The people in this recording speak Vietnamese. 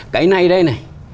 cái này đây này